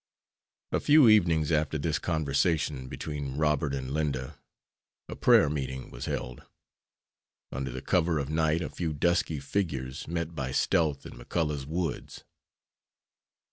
A few evenings after this conversation between Robert and Linda, a prayer meeting was held. Under the cover of night a few dusky figures met by stealth in McCullough's woods.